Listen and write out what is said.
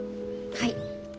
はい。